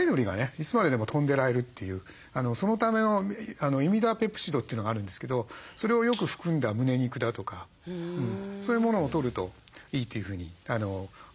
いつまででも飛んでられるというそのためのイミダペプチドというのがあるんですけどそれをよく含んだ胸肉だとかそういうものをとるといいというふうに思われますね。